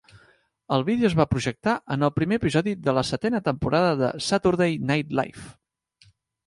El vídeo es va projectar en el primer episodi de la setena temporada de 'Saturday Night Live'.